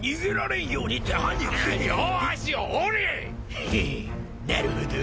ヘヘッなるほど。